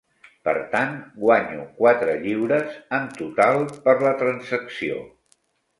Per tant, guanyo quatre lliures (en total) per la transacció!